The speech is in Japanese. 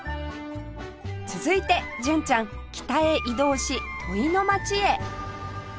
続いて純ちゃん北へ移動し土肥の街へ